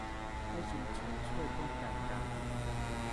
ให้ชุมชนช่วยป้องกันการ